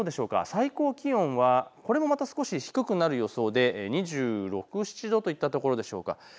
最高気温はこれもまた少し低くなる予想で２６、２７度というところです。